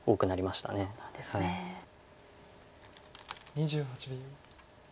２８秒。